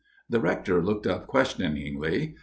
The Rector looked up questioningly.